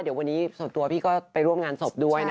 เดี๋ยววันนี้ส่วนตัวพี่ก็ไปร่วมงานศพด้วยนะ